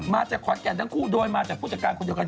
มาจากขอนแก่นทั้งคู่โดยมาจากผู้จัดการคนเดียวกัน